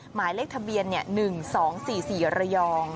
หมายเลขทะเบียน๑๒๔๔ระยอง